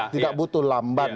tidak butuh lamban